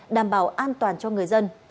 đảm bảo an toàn cho người dân